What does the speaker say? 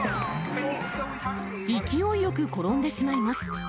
勢いよく転んでしまいます。